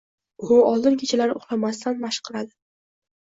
U oldin kechalari uxlamasdan mashq qiladi.